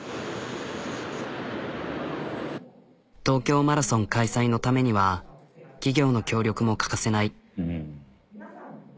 東京マラソン開催のためには企業の協力も欠かせない。